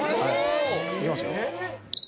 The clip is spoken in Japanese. いきますよ。